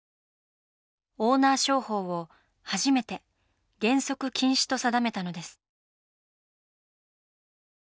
オーナー商法を初めて原則禁止と定めたのです。